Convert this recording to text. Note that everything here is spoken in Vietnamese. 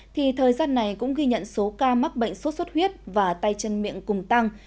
thì thời gian này cũng ghi nhận số ca mắc bệnh sốt xuất huyết và tay chân miệng cùng tăng